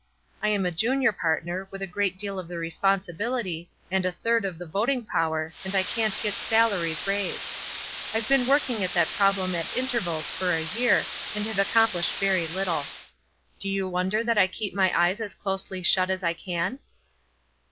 I am a junior partner, with a great deal of the responsibility, and a third of the voting power, and I can't get salaries raised. I've been working at that problem at intervals for a year, and have accomplished very little. Do you wonder that I keep my eyes as closely shut as I can?"